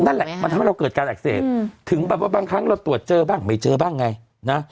นั่นแหละมันทำให้เราเกิดการอักเสบถึงแบบว่าบางครั้งเราตรวจเจอบ้างไม่เจอบ้างไงนะ